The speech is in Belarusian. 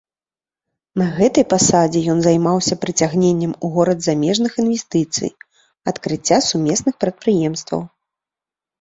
На гэтай пасадзе ён займаўся прыцягненнем у горад замежных інвестыцый, адкрыцця сумесных прадпрыемстваў.